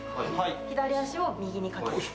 左足を右にかける。